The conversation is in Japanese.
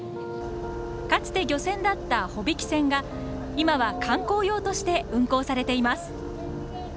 かつて漁船だった帆引き船が今は観光用として運航されています。